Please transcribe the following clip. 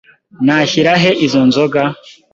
Nashyira he izo nzoga?